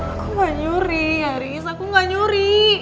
aku gak nyuri haris aku gak nyuri